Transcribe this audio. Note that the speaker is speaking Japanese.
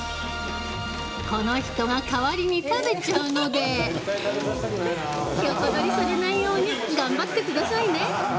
この人が代わりに食べちゃうので横取りされないように頑張ってくださいね。